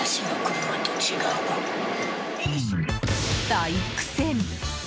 大苦戦！